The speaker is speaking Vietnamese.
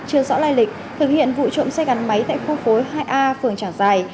chưa rõ lai lịch thực hiện vụ trộm xe gắn máy tại khu phố hai a phường trảng giài